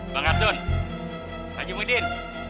pak dardun haji muhyiddin